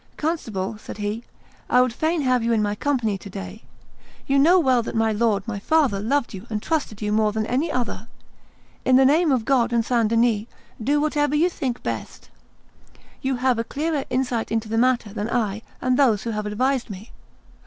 "Constable," said he, "I would fain have you in my company to day; you know well that my lord my father loved you and trusted you more than any other; in the name of God and St. Denis do whatever you think best. You have a clearer insight into the matter than I and those who have advised me.